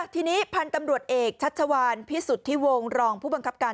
ทีนี้พันธุ์ตำรวจเอกชัชวานพิสุทธิวงศ์รองผู้บังคับการ